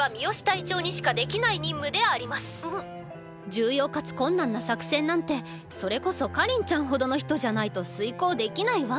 重要かつ困難な作戦なんてそれこそ夏凜ちゃんほどの人じゃないと遂行できないわ。